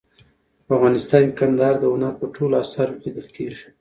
په افغانستان کې کندهار د هنر په ټولو اثارو کې لیدل کېږي.